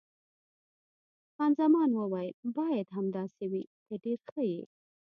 خان زمان وویل: باید همداسې وي، ته ډېر ښه یې.